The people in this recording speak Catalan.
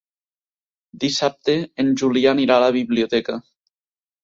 Dissabte en Julià anirà a la biblioteca.